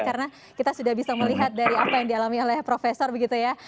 karena kita sudah bisa melihat dari apa yang dialami oleh profesor begitu ya